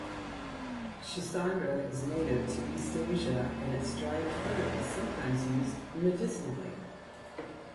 "Schisandra" is native to East Asia, and its dried fruit is sometimes used medicinally.